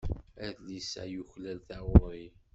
Adlis-a yuklal taɣuri.